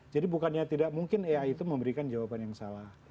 jadi bukannya tidak mungkin ai itu memberikan jawaban yang salah